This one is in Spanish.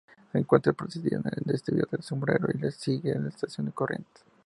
Se encuentra precedida por el Desvío El Sombrero y le sigue la Estación Corrientes.